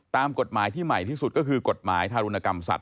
ตามกฎหมายที่ใหม่ที่สุดก็คือกฎหมายทารุณกรรมสัตว